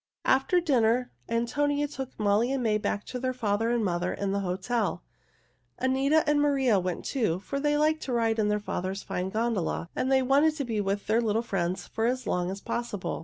After dinner Antonio took Molly and May back to their father and mother in the hotel. Anita and Maria went, too, for they liked to ride in their father's fine gondola, and they wanted to be with their little new friends as long as possible.